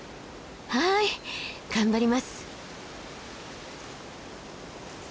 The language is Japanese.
はい頑張ります。